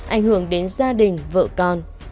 ảnh hưởng đến gia đình vợ con